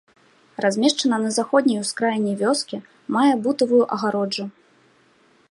Размешчана на заходняй ускраіне вёскі, мае бутавую агароджу.